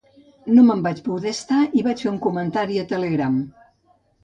No me'n vaig poder estar i vaig fer un comentari a Telegram